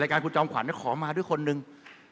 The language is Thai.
การคุณจอมขวัญขอมาด้วยคนหนึ่ง